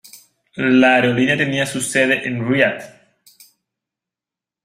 La aerolínea tenía su sede en Riad.